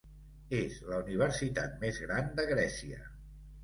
És la universitat més gran de Grècia.